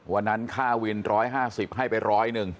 วันนั้นค่าวิน๑๕๐ให้ไป๑๐๐นึง